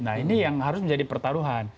nah ini yang harus menjadi pertaruhan